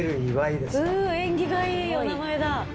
縁起がいいお名前だ。